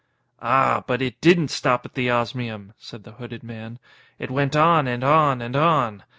_" "Ah! But it didn't _stop at the osmium," said the hooded man. "It went on and on and on.